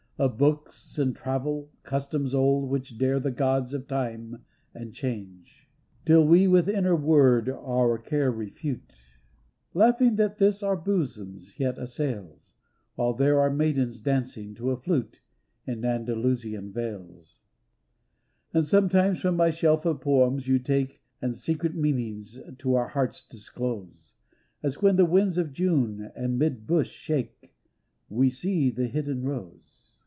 Of books, and travel, customs old which dare The gods of Time and Change. Till we with inner word our care refute Laughing that this our bosoms yet assails. While there are maidens dancing to a flute In Andalusian vales. 276 TO ONE WHO COMES NOW AND THEN 277 And sometimes from my shelf of poems you take And secret meanings to our hearts disclose, As when the winds of June the mid bush shake We see the hidden rose.